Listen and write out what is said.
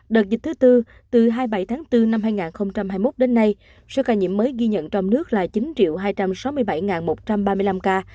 đợt dịch thứ tư từ hai mươi bảy tháng bốn năm hai nghìn hai mươi một đến nay số ca nhiễm mới ghi nhận trong nước là chín hai trăm sáu mươi bảy một trăm ba mươi năm ca